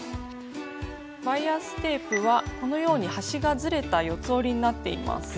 バイアステープはこのように端がずれた四つ折りになっています。